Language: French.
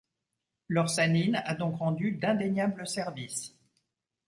L'orsanine a donc rendu d'indéniables services.